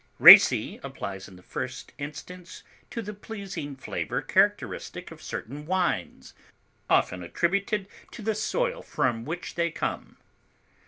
Racy applies in the first instance to the pleasing flavor characteristic of certain wines, often attributed to the soil from which they come.